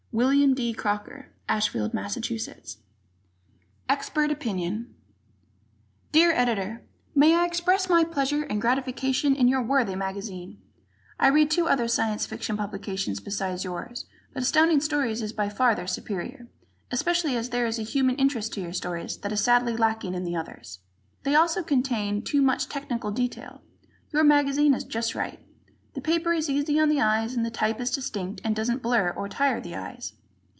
William D. Crocker, Ashfield, Mass. Expert Opinion Dear Editor: May I express my pleasure and gratification in your worthy magazine? I read two other Science Fiction publications beside yours, but Astounding Stories is by far their superior, especially as there is a human interest to your stories that is sadly lacking in others. They also contain too much technical detail. Your magazine is just right. The paper is easy on the eyes and the type is distinct and doesn't blur or tire the eyes.